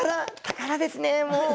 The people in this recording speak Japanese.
宝ですね。